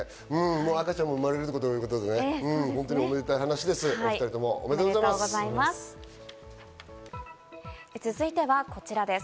赤ちゃんも生まれるということでね、おめでたい話です。